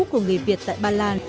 của người việt tại ba lan